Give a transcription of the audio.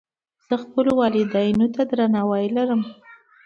زه خپلو والدینو ته درناوی لرم.